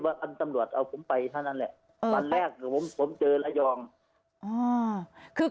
สำหรับสมรวจมันคือเดือนชีวิตสำหรับผมไปให้ลายองเลย